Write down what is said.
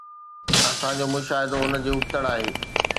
اسان جو مشاهدو ان جي ابتڙ آهي.